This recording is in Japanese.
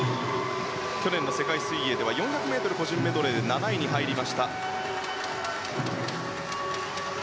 去年の世界水泳では４００ｍ個人メドレーで７位に入りました。